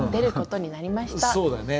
そうだね。